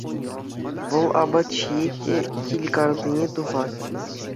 Вӑл апат ҫиет те килкартине тухать.